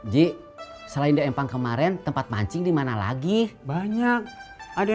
di selain daem pang kemarin tempat mancing dimana lagi banyak ada